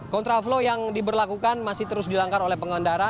kontraflow yang diberlakukan masih terus dilanggar oleh pengendara